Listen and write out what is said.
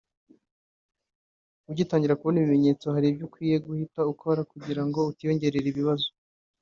ugitangira kubona ibimenyetso hari ibyo ukwiye guhita ukora kugira ngo utiyongerera ibibazo